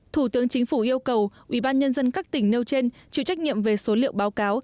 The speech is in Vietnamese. thủ tướng chính phủ yêu cầu ubnd các tỉnh nêu trên chịu trách nhiệm về số liệu báo cáo